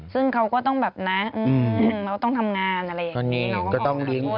ซึ่งเขาก็ต้องแบบนะเราต้องทำงานอะไรอย่างนี้